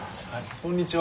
こんにちは。